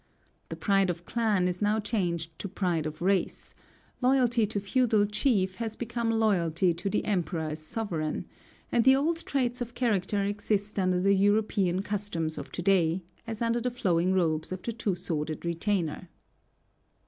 The pride of clan is now changed to pride of race; loyalty to feudal chief has become loyalty to the Emperor as sovereign; and the old traits of character exist under the European costumes of to day, as under the flowing robes of the two sworded retainer.